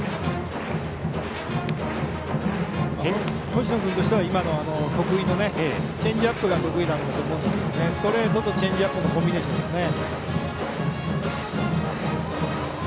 星野君としてはチェンジアップが得意だと思うんですがストレートとチェンジアップのコンビネーションですね。